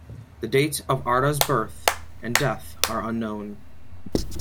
The dates of Arda's birth and death are unknown.